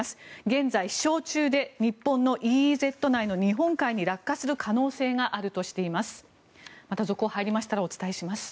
現在、飛翔中で日本のＥＥＺ内の日本海に落下する可能性があるとしています。